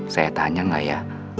saya tanya gak ya